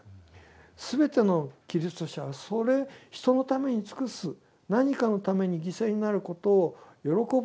全てのキリスト者はそれ人のために尽くす何かのために犠牲になることを喜ぶ。